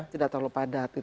tidak terlalu padat